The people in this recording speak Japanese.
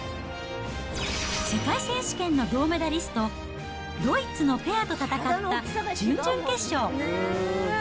世界選手権の銅メダリスト、ドイツのペアと戦った準々決勝。